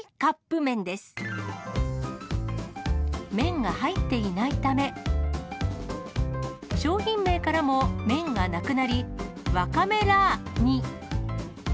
麺が入っていないため、商品名からも麺がなくなり、わかめラーに。